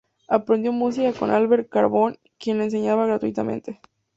Aprendió música con Alberto Carbone, quien le enseñaba gratuitamente.